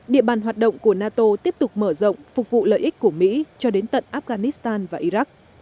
địa bàn hoạt động của nato tiếp tục mở rộng phục vụ lợi ích của mỹ cho đến tận afghanistan và iraq